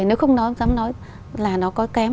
nếu không nó dám nói là nó có kém